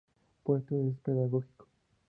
Por eso es pedagógico.